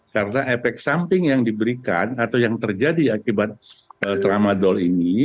karena efek samping yang diberikan atau yang terjadi akibat tramadol ini